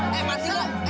jangan sakit pak